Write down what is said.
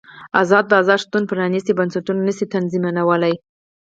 ازاد بازار شتون پرانیستي بنسټونه نه شي تضمینولی.